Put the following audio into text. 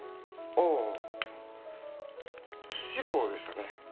ああ白でしたね。